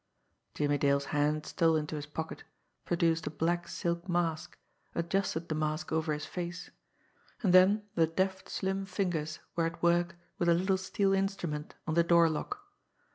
Jimmie Dale's hand stole into his pocket, produced a black silk mask, adjusted the mask over his face and then the deft, slim fingers were at work with a little steel instrument on the door lock.